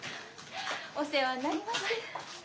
お世話になります。